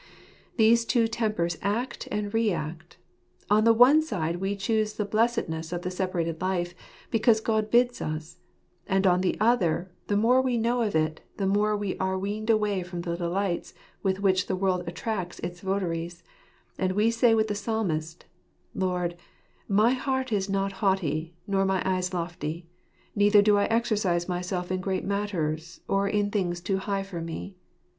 These two tempers act and re act. On the one side we choose the blessedness of the separated life, because God bids us : and on the other, the more we know of it, the more we are weaned away from the delights with which the world attracts its votaries 3 and we say with the Psalmist, " Lord, my heart is not haughty, nor mine eyes lofty 3 neither do I exercise myself in great matters, or in things too high for me.